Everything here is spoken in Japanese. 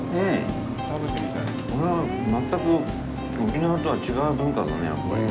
これは全く沖縄とは違う文化だね。